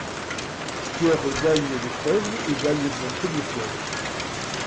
Pierre gagne l'épreuve et gagne son premier point.